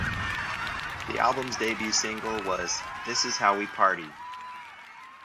The album's debut single was "This Is How We Party".